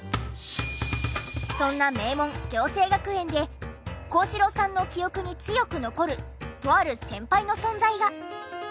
そんな名門暁星学園で幸四郎さんの記憶に強く残るとある先輩の存在が。